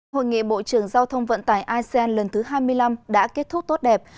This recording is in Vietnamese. hội nghị bộ trưởng giao thông vận tải asean lần thứ hai mươi năm đã kết thúc tốt đẹp